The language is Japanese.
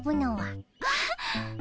あっ。